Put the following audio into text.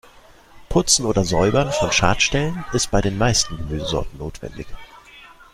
Putzen oder Säubern von Schadstellen ist bei den meisten Gemüsesorten notwendig.